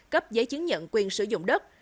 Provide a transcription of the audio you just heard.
cấp giấy chứng nhận quyền sử dụng đất